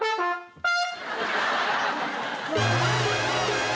はい。